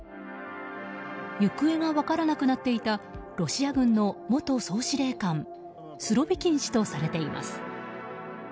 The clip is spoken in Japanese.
行方が分からなくなっていたロシア軍の元総司令官スロビキン氏とされています。